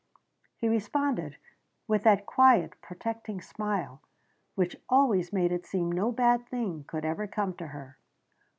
He responded with that quiet, protecting smile which always made it seem no bad thing could ever come to her.